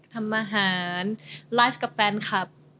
ทำอาหารไลฟ์กับแฟนคลับ